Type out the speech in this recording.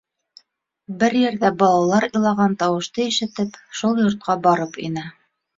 Бер ерҙә балалар илаған тауышты ишетеп, шул йортҡа барып инә.